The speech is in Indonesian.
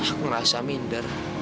aku merasa minder